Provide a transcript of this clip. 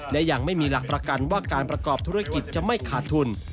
และยังไม่มีหลักประกันว่าการประกอบธุรกิจจะไม่ขาดทุน